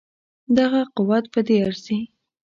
دغه قوت په دې ارزي.